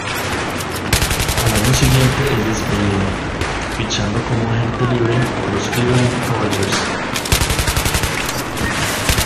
Al año siguiente es despedido, fichando como agente libre por los Cleveland Cavaliers.